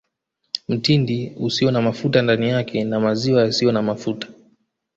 Mtindi usio na mafuta ndani yake na maziwa yasiyo na mafuta